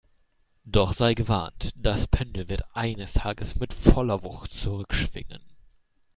Doch sei gewarnt, das Pendel wird eines Tages mit voller Wucht zurückschwingen!